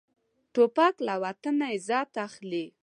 توپک له وطن عزت اخلي.